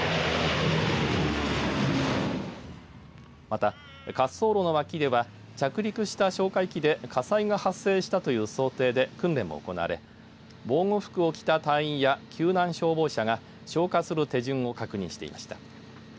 また滑走路の脇では着陸した哨戒機で火災が発生したという想定で訓練も行われ防護服を着た隊員や救難消防車が消化する手順を確認していました。